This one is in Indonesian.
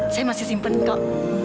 saya masih simpen kok